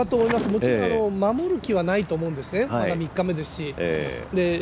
もちろん守る気はないと思うんですね、まだ３日目ですし。